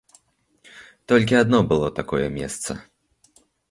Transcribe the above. Толькі адно было такое месца.